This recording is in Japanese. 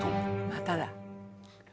まただ。